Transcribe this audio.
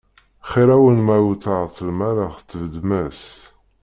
Xir-awen ma ur tεeṭṭlem ara tbeddem-as.